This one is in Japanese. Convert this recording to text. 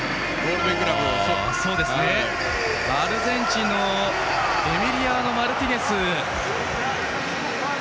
アルゼンチンのエミリアーノ・マルティネス。